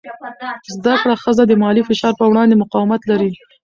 زده کړه ښځه د مالي فشار په وړاندې مقاومت لري.